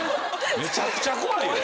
めちゃくちゃ怖いよ。